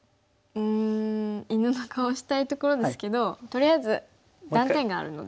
うん犬の顔したいところですけどとりあえず断点があるので。